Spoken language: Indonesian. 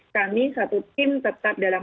kami satu tim tetap dalam